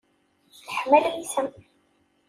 Teḥma lmissa.